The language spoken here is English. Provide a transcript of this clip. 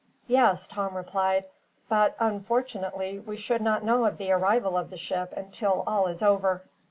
"Yes," Tom replied; "but, unfortunately, we should not know of the arrival of the ship until all is over."